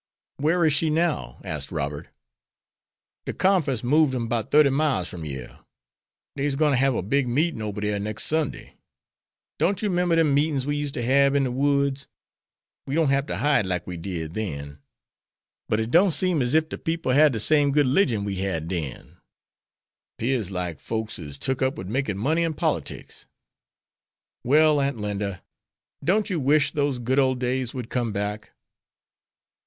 "Where is she now?" asked Robert. "De Conference moved dem 'bout thirty miles from yere. Deys gwine to hab a big meetin' ober dere next Sunday. Don't you 'member dem meetins we used to hab in de woods? We don't hab to hide like we did den. But it don't seem as ef de people had de same good 'ligion we had den. 'Pears like folks is took up wid makin' money an' politics." "Well, Aunt Linda, don't you wish those good old days would come back?"